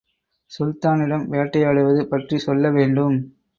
சுல்தானிடம் வேட்டையாடுவது பற்றி சொல்ல வேண்டும்!